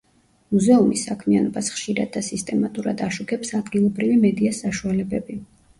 მუზეუმის საქმიანობას ხშირად და სისტემატურად აშუქებს ადგილობრივი მედია საშუალებები.